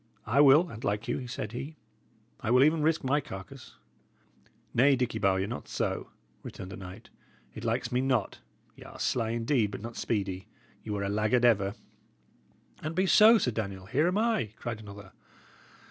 "I will, an't like you," said he. "I will even risk my carcase." "Nay, Dicky Bowyer, not so," returned the knight. "It likes me not. Y' are sly indeed, but not speedy. Ye were a laggard ever." "An't be so, Sir Daniel, here am I," cried another.